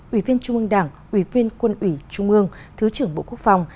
ủy viên trung ương đảng ủy viên quân ủy trung ương thứ trưởng bộ quốc phòng